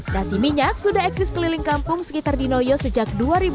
nasi minyak sudah eksis keliling kampung sekitar dinoyo sejak dua ribu dua